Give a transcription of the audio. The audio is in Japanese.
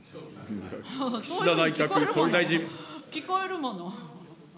岸田内閣総理大臣。